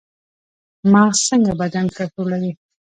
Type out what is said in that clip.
مغز څنګه بدن کنټرولوي؟